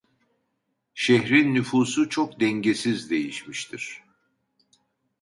Şehrin nüfusu çok dengesiz değişmiştir.